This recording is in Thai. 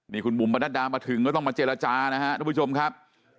นี่คุณบุ๋มประนัดดามาถึงก็ต้องมาเจรจานะครับทุกผู้ชมครับ